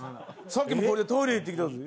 さっきこれでトイレ行ってきたんだぜ。